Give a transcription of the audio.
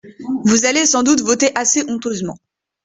Vous allez sans doute voter assez honteusement.